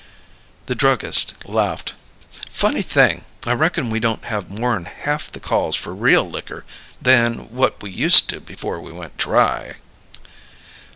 The druggist laughed. "Funny thing: I reckon we don't have more'n half the calls for real liquor than what we used to before we went dry."